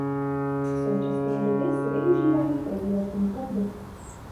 V současné době se využívají pro výletní plavby.